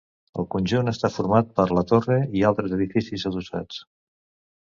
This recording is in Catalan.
El conjunt està format per la torre i altres edificis adossats.